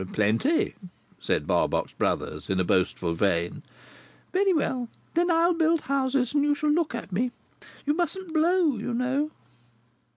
"Plenty," said Barbox Brothers, in a boastful vein. "Very well. Then I'll build houses, and you shall look at me. You mustn't blow, you know."